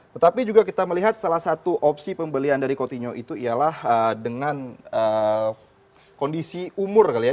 tetapi juga kita melihat salah satu opsi pembelian dari coutinho itu ialah dengan kondisi umur kali ya